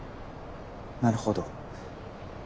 なるほど。